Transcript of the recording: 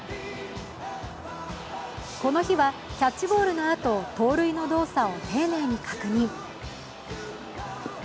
この日はキャッチボールのあと盗塁の動作を丁寧に確認。